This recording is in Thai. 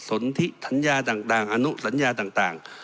สนทิสัญญาต่างอนุสัญญาต่าง